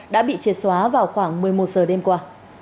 đã bị triệt xóa vào khoảng một mươi một giờ đêm qua